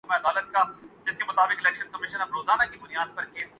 ایک بات قابل غور ہے۔